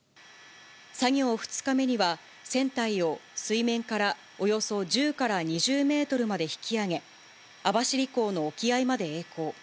作業２日目には、船体を水面からおよそ１０から２０メートルまで引き揚げ、網走港の沖合までえい航。